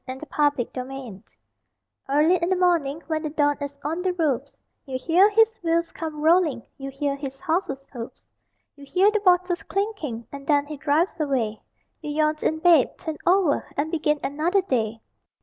_] THE MILKMAN Early in the morning, when the dawn is on the roofs, You hear his wheels come rolling, you hear his horse's hoofs; You hear the bottles clinking, and then he drives away: You yawn in bed, turn over, and begin another day!